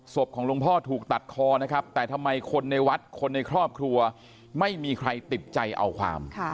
ศพของหลวงพ่อถูกตัดคอนะครับแต่ทำไมคนในวัดคนในครอบครัวไม่มีใครติดใจเอาความ